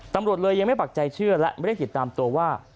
ตำรวจเลยยังไม่ปักใจเชื่อและไม่ได้ติดตามตัวว่า